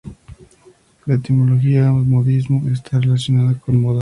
La etimología de "modismo" está relacionada con "moda".